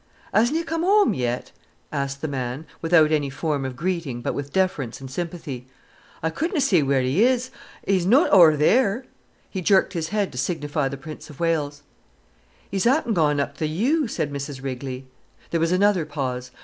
"Asna 'e come whoam yit?" asked the man, without any form of greeting, but with deference and sympathy. "I couldna say wheer he is—'e's non ower theer!"—he jerked his head to signify the 'Prince of Wales'. "'E's 'appen gone up to th' 'Yew'," said Mrs Rigley. There was another pause.